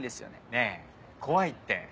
ねぇ怖いって。